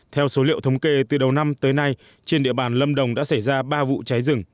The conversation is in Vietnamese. theo số liệu thống kê từ đầu năm tới nay trên địa bàn lâm đồng đã xảy ra ba vụ cháy rừng